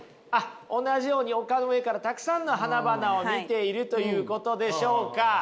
同じように丘の上からたくさんの花々を見ているということでしょうか？